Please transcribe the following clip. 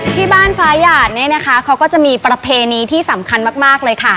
ที่บ้านฟ้าหยาดเนี่ยนะคะเขาก็จะมีประเพณีที่สำคัญมากเลยค่ะ